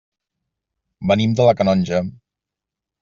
Venim de la Canonja.